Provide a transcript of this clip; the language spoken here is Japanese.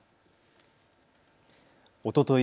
おととい